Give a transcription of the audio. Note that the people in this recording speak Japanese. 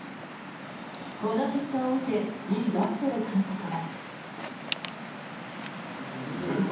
この結果を受けイ・ガンチョル監督は。